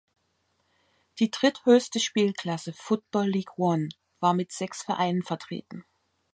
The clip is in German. Die dritthöchste Spielklasse Football League One war mit sechs Vereinen vertreten.